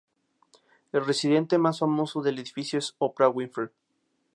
El residente más famoso del edificio es Oprah Winfrey.